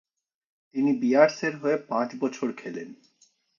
তিনি বিয়ার্সের হয়ে পাঁচ বছর খেলেন।